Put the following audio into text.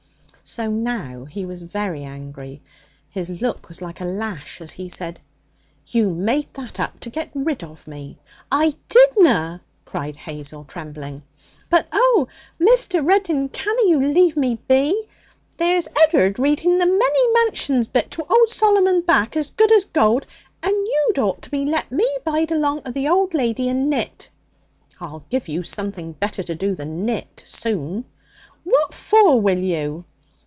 So now he was very angry. His look was like a lash as he said: 'You made that up to get rid of me.' 'I didna!' cried Hazel, trembling. 'But oh! Mr. Reddin canna you leave me be? There's Ed'ard reading the many mansions bit to old Solomon Bache, as good as gold, and you'd ought to let me bide along of the old lady and knit.' 'I'll give you something better to do than knit soon.' 'What for will you?'